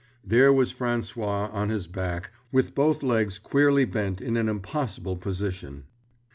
There was François on his back—with both legs queerly bent in an impossible position.